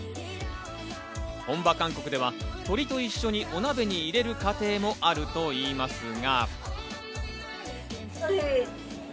本場韓国では鶏と一緒にお鍋に入れる家庭もあるといいますが。